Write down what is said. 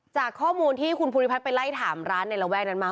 จากข้อมูลที่คุณภูริพัฒน์ไปไล่ถามร้านในระแวกนั้นมา